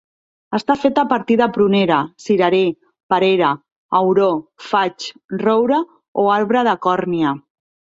Està feta a partir de prunera, cirerer, perera, auró, faig, roure, o arbre de còrnia.